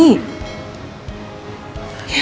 pa di wilayah